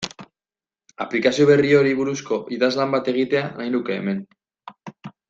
Aplikazio berri horri buruzko idazlan bat egitea nahi nuke hemen.